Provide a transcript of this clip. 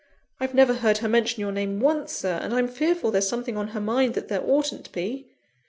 I've never heard her mention your name once, Sir; and I'm fearful there's something on her mind that there oughtn't to be.